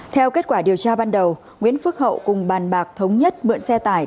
theo kết quả điều tra ban đầu nguyễn phước hậu cùng bàn bạc thống nhất mượn xe tải